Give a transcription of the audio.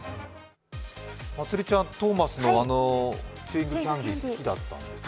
まつりちゃん、トーマスのチューイングキャンディ好きだったんですか。